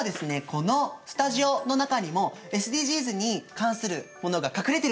このスタジオの中にもＳＤＧｓに関するものが隠れてるんですよ。